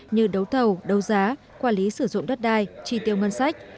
như đấu thầu đấu giá quản lý sử dụng đất đai tri tiêu ngân sách